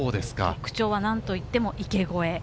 特徴はなんといっても池越え。